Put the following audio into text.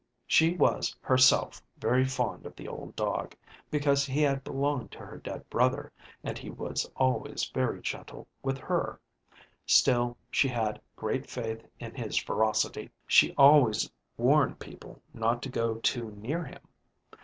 She was herself very fond of the old dog, because he had belonged to her dead brother, and he was always very gentle with her; still she had great faith in his ferocity. She always warned people not to go too near him.